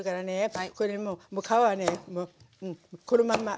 これもうもう皮はねこのまんま。